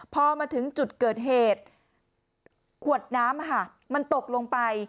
พอมาถึงจุดเกิดเหตุขวดน้ำมันตกลงไป